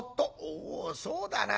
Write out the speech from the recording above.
「おそうだな。